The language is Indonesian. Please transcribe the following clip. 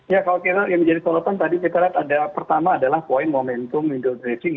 ya kalau kita yang menjadi solotan tadi kita lihat ada pertama adalah poin momentum window dressing